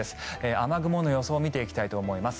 雨雲の予想を見ていきたいと思います。